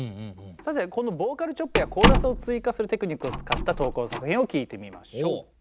さてこのボーカルチョップやコーラスを追加するテクニックを使った投稿作品を聴いてみましょう。